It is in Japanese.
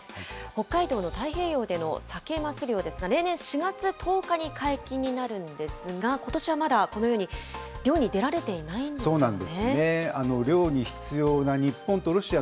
北海道の太平洋でのサケマス漁ですが、例年４月１０日に解禁になるんですが、ことしはまだこのように漁に出られていないんですね。